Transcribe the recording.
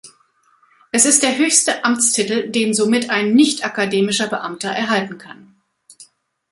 Es ist der höchste Amtstitel, den somit ein nicht-akademischer Beamter erhalten kann.